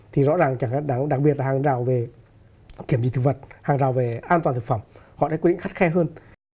thì rõ ràng đặc biệt là hàng rào về kiểm trị thực vật hàng rào về an toàn thực phẩm họ đã quyết định khắt khe hơn